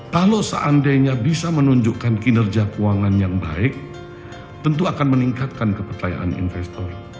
kalau seandainya bisa menunjukkan kinerja keuangan yang baik tentu akan meningkatkan kepercayaan investor